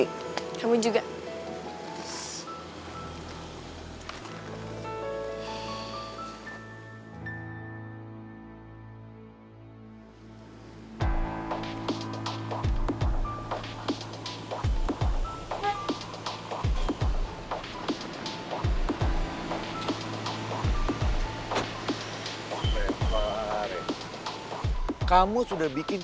ih jangan bareng